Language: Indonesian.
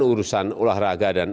urusan olahraga dan